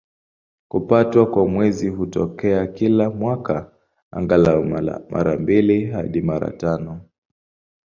Kupatwa kwa Mwezi hutokea kila mwaka, angalau mara mbili hadi mara tano.